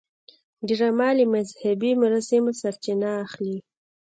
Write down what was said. ډرامه له مذهبي مراسمو سرچینه اخلي